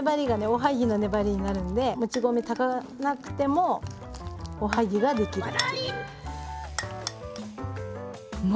おはぎの粘りになるんでもち米炊かなくてもおはぎが出来るっていう。